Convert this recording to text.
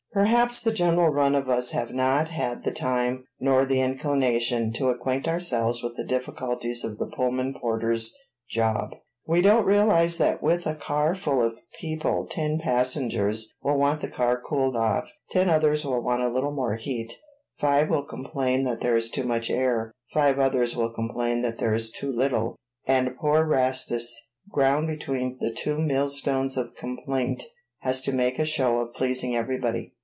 Perhaps the general run of us have not had the time, nor the inclination, to acquaint ourselves with the difficulties of the Pullman porter's job. We don't realize that with a car full of people ten passengers will want the car cooled off, ten others will want a little more heat, five will complain that there is too much air, five others will complain that there is too little; and poor Rastus, ground between the two millstones of complaint, has to make a show of pleasing everybody.